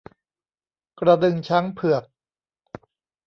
กระดึงช้างเผือก